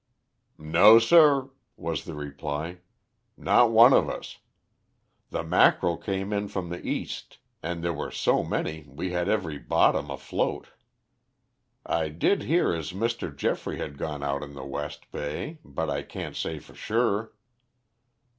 "No, sir," was the reply. "Not one of us. The mackerel came in from the east, and there were so many we had every bottom afloat. I did hear as Mr. Geoffrey had gone out in the West Bay, but I can't say for sure."